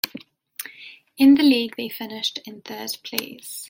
In the league, they finished in third place.